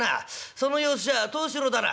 その様子じゃ藤四郎だな」。